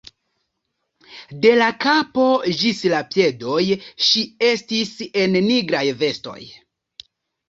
De la kapo ĝis la piedoj ŝi estis en nigraj vestoj.